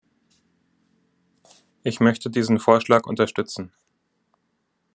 Ich möchte diesen Vorschlag unterstützen.